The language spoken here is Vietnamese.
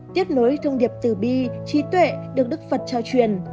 tiếp nối thông điệp tử bi trí tuệ được đức phật trao truyền